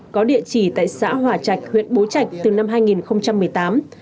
có địa chỉ tại xã hòa trạch huyện bố trạch từ năm hai nghìn một mươi tám